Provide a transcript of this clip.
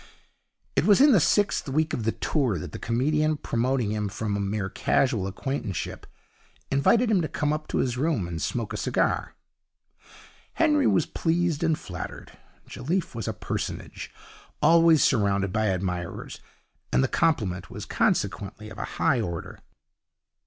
It was in the sixth week of the tour that the comedian, promoting him from mere casual acquaintanceship, invited him to come up to his room and smoke a cigar. Henry was pleased and flattered. Jelliffe was a personage, always surrounded by admirers, and the compliment was consequently of a high order.